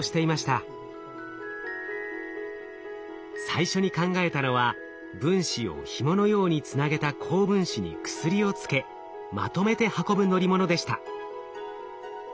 最初に考えたのは分子をひものようにつなげた高分子に薬をつけまとめて運ぶ乗り物でした。